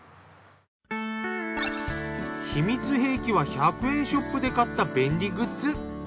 秘密兵器は１００円ショップで買った便利グッズ。